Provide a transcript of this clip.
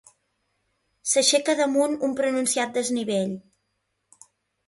S'aixeca damunt un pronunciat desnivell.